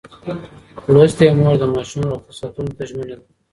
لوستې میندې د ماشوم روغتیا ساتلو ته ژمنه ده.